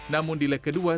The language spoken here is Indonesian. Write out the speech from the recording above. namun di leg kedua